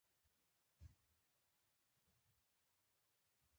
د ګډ ژوند لږ شمېر اولادونه هم نړۍ ته راغلل.